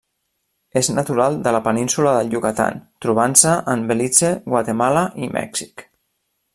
És natural de la península del Yucatán, trobant-se en Belize, Guatemala i Mèxic.